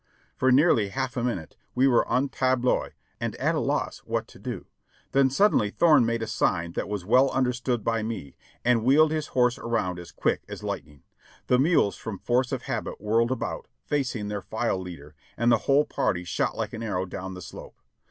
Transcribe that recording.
For nearly half a minute we were en tableaux and at a loss what to do ; then suddenly Thorne made a sign that was well understood by me, and wheeled his horse around as quick as lightning. The mules from force of habit whirled about, facing their file leader, and the wdiole party shot like an arrow down the slope.